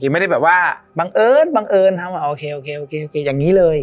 ไม่ได้แบบว่าบังเอิญโอเคอย่างนี้เลย